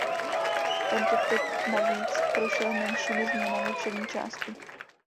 Tento typ navíc prošel menšími změnami přední části.